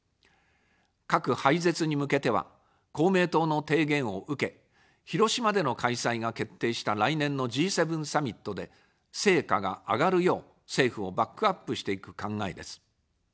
核廃絶に向けては、公明党の提言を受け、広島での開催が決定した来年のＧ７サミットで成果が上がるよう政府をバックアップしていく考えです。